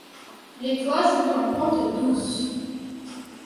Les toits sont en pente douce.